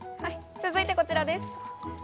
続いてこちらです。